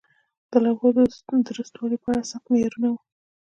د لوحو د درستوالي په اړه سخت معیارونه وو.